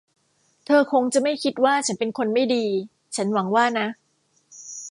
เธอคงจะไม่คิดว่าฉันเป็นคนไม่ดี ฉันหวังว่านะ ?